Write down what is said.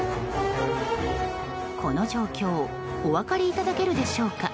この状況お分かりいただけるでしょうか。